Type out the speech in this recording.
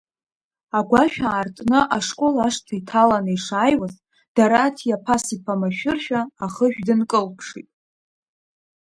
Агәашә аартны ашкол ашҭа иҭаланы ишааиуаз, Дараҭиа Пас-иԥа машәыршәа ахышә дынкылԥшит.